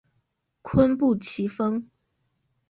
坤布崎峰